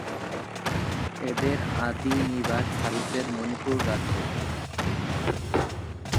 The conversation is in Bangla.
এদের আদি নিবাস ভারতের মণিপুর রাজ্যে।